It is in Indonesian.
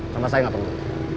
sama saya gak perlu